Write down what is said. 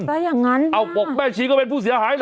ซะอย่างนั้นเอ้าบอกแม่ชีก็เป็นผู้เสียหายเหรอ